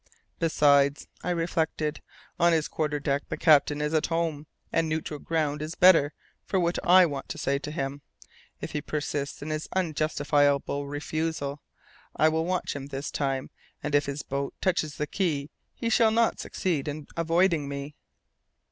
"Besides," I reflected, "on his quarter deck the captain is at home, and neutral ground is better for what I want to say to him, if he persists in his unjustifiable refusal. I will watch him this time, and if his boat touches the quay, he shall not succeed in avoiding me."